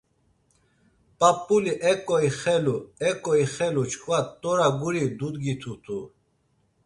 P̌ap̌uli eǩo ixelu eǩo ixelu çkva t̆ora guri dudgitut̆u.